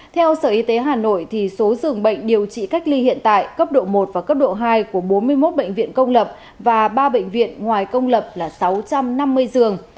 theo sở y tế hà nội số dường bệnh điều trị cách ly hiện tại cấp độ một và cấp độ hai của bốn mươi một bệnh viện công lập và ba bệnh viện ngoài công lập là sáu trăm năm mươi giường